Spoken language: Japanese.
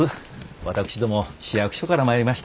私ども市役所から参りました。